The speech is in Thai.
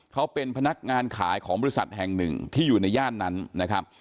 เขาเป็นพนักงานขายของบริษัทแห่งหนึ่งที่อยู่ในย่านนั้นนะครับ